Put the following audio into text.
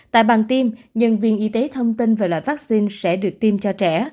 tại bàn tiêm nhân viên y tế thông tin về loại vaccine sẽ được tiêm cho trẻ